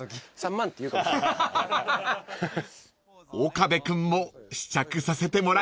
［岡部君も試着させてもらいましょう］